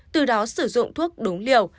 từ đó sử dụng thuốc đúng liều